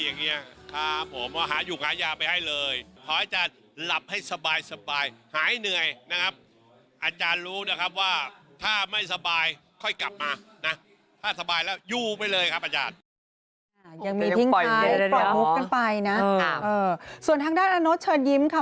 ยังมีทางด้านปล่อยมุกกันไปนะส่วนทางด้านอโน๊ตเชิญยิ้มค่ะ